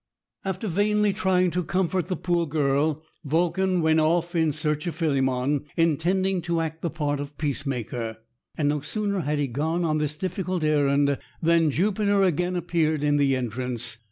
After vainly trying to comfort the poor girl, Vulcan went off in search of Philemon, intending to act the part of peacemaker; and no sooner had he gone on this difficult errand, than Jupiter again appeared in the entrance.